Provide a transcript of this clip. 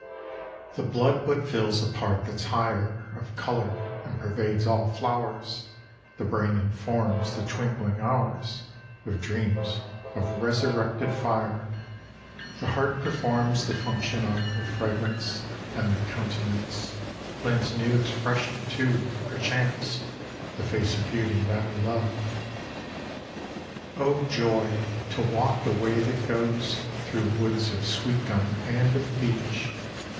The blood but fills a part that's higher Of color, and pervades all flowers; The brain informs the twinkling hours With dreams of resurrected fire; The heart performs the function of A fragrance; and the countenance Lends new expression to, perchance, The face of beauty that we love. XXII Oh, joy, to walk the way that goes Through woods of sweet gum and of beech!